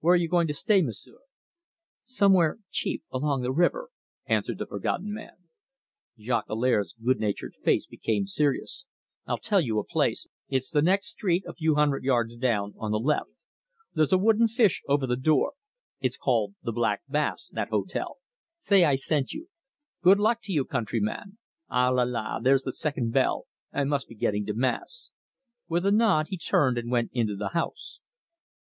Where are you going to stay, M'sieu'?" "Somewhere cheap along the river," answered the Forgotten Man. Jolicoeur's good natured face became serious. "I'll tell you a place it's honest. It's the next street, a few hundred yards down, on the left. There's a wooden fish over the door. It's called The Black Bass that hotel. Say I sent you. Good luck to you, countryman! Ah, la; la, there's the second bell I must be getting to Mass!" With a nod he turned and went into the house.